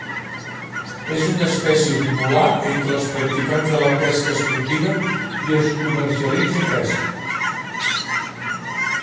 És una espècie popular entre els practicants de la pesca esportiva i es comercialitza fresc.